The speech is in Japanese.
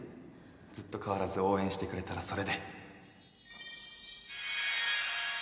ずっと変わらず応援してくれたらそれで